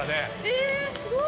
えすごっ！